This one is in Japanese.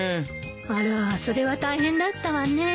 あらそれは大変だったわね。